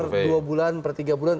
per dua bulan per tiga bulan